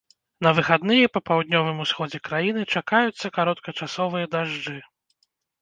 На выхадныя па паўднёвым усходзе краіны чакаюцца кароткачасовыя дажджы.